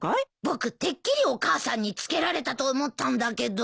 僕てっきりお母さんにつけられたと思ったんだけど。